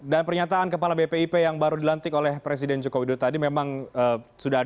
dan pernyataan kepala bpip yang baru dilantik oleh presiden joko widodo tadi memang sudah